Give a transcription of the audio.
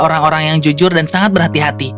orang orang yang jujur dan sangat berhati hati